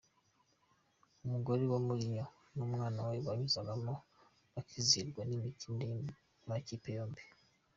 Umugore wa Mourinho n'umwana we banyuzagamo bakizihirwa n'imikinire y'amakipe yombi.